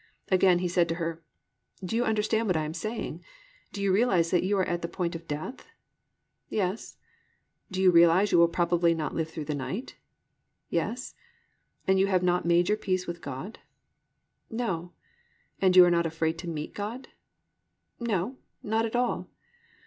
Again he said to her, "Do you understand what I am saying? Do you realise that you are at the point of death?" "Yes." "Do you realise you will probably not live through the night?" "Yes." "And you have not made your peace with God?" "No." "And you are not afraid to meet God?" "No, not at all."